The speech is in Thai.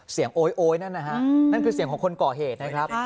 โอ๊ยโอ๊ยนั่นนะฮะนั่นคือเสียงของคนก่อเหตุนะครับ